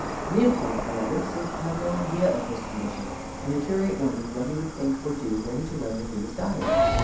Leopold, however, seemed to have no idea of his condition, and the curate wondered what he would think or do were he to learn that he was dying.